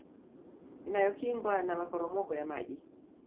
Inayokingwa na maporomoko ya maji